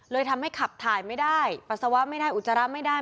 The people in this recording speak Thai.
ทำให้ขับถ่ายไม่ได้ปัสสาวะไม่ได้อุจจาระไม่ได้